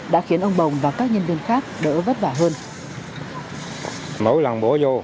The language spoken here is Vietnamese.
đã khiến ông bồng và các nhân viên khác đỡ vất vả hơn